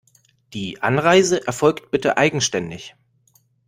Die Anreise erfolgt bitte eigenständig.